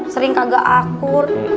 sering kagak akur